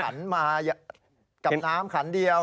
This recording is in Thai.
ขันมากับน้ำขันเดียว